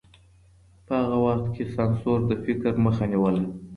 په هغه وخت کي سانسور د فکر مخه نيوله.